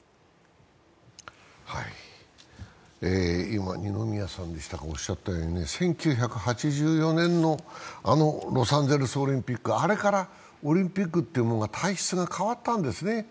今、二宮さんがおっしゃったように１９８４年のロサンゼルスオリンピックからオリンピックというものが体質が変わったんですね。